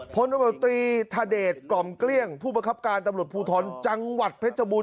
พลตำรวจตรีธเดชกล่อมเกลี้ยงผู้ประคับการตำรวจภูทรจังหวัดเพชรบูร